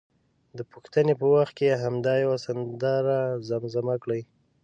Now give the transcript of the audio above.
د پوښتنې په وخت کې همدا یوه سندره زمزمه کړي.